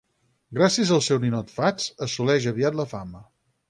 Gràcies al seu ninot Fats, assoleix aviat la fama.